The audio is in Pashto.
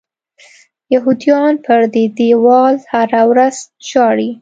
یهودیان پر دې دیوال هره ورځ ژاړي.